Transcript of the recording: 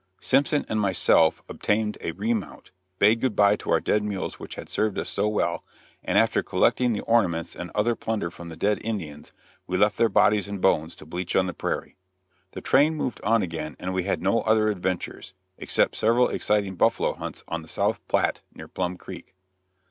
Simpson and myself obtained a remount, bade good bye to our dead mules which had served us so well, and after collecting the ornaments and other plunder from the dead Indians, we left their bodies and bones to bleach on the prairie. The train moved on again and we had no other adventures, except several exciting buffalo hunts on the South Platte, near Plum Creek.